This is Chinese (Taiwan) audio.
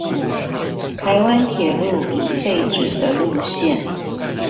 臺灣鐵路已廢止的路線